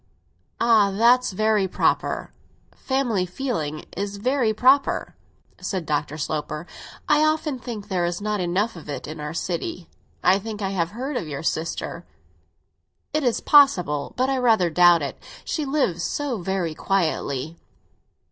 "Ah, that's very proper; family feeling is very proper," said Dr. Sloper. "I often think there is not enough of it in our city. I think I have heard of your sister." "It is possible, but I rather doubt it; she lives so very quietly."